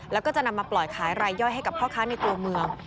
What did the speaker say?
แล้วก็จะนำมาปล่อยขายรายย่อยให้กับพ่อค้าในตัวเมือง